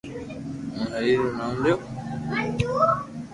ھون ھري رو نوم ليو